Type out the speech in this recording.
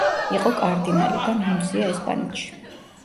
იყო კარდინალი და ნუნცია ესპანეთში.